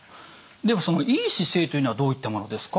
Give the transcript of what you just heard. ではその良い姿勢というのはどういったものですか？